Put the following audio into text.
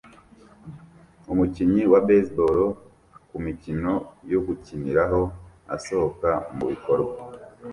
Umukinnyi wa baseball kumikino yo gukiniraho asohoka mubikorwa